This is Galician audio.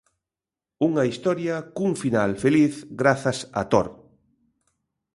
Unha historia cun final feliz grazas a Tor.